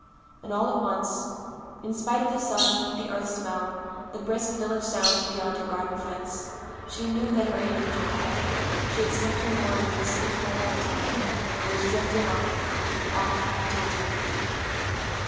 And all at once, in spite of the sun, the earth smell, the brisk village sounds beyond her garden fence, she knew that her anchor dragged, she had slipped her moorings in the safe harbor of Time, and was drifting off, off into Eternity.